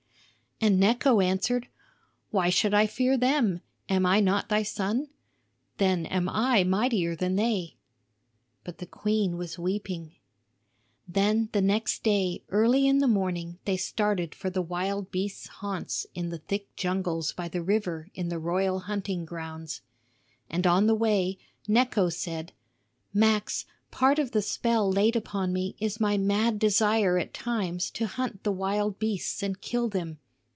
And Necho answered: "Why should I fear them; am I not thy son? Then am I mightier than they." But the queen was weeping. Then the next day, early in the morning, they started for the wild beasts' haunts in the thick jungles by the river in the royal hunting grounds. And on the way Necho said: "Max, part of the spell laid upon me is my mad desire at times to hunt the wild beasts and kill them.